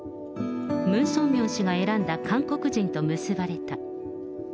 ムン・ソンミョン氏が選んだ韓国人と結ばれた。